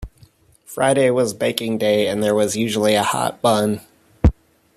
Friday was baking day, and there was usually a hot bun.